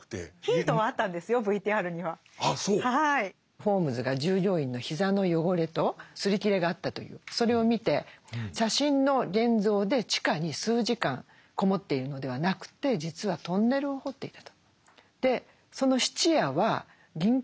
ホームズが従業員の膝の汚れと擦り切れがあったというそれを見て写真の現像で地下に数時間籠もっているのではなくて実はそういう事件でした。